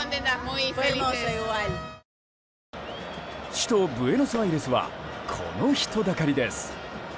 首都ブエノスアイレスはこの人だかりです。